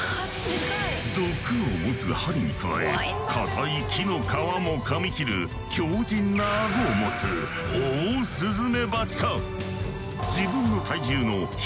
毒を持つ針に加えかたい木の皮もかみ切る強靭なアゴを持つオオスズメバチか！